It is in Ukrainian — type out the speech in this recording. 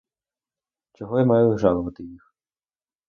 Чого я маю жалувати їх?